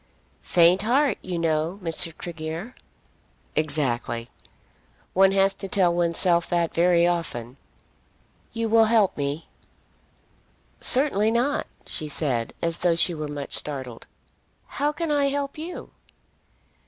"Faint heart, you know, Mr. Tregear." "Exactly. One has to tell oneself that very often. You will help me?" "Certainly not," she said, as though she were much startled. "How can I help you?"